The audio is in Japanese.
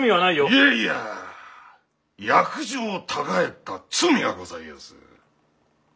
いやいや約定をたがえた罪はございやす。